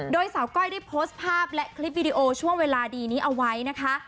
โดยสาวก้อยได้โพสต์ภาพและคลิปวิดีโอช่วงเวลาดีนี้เอาไว้นะคะ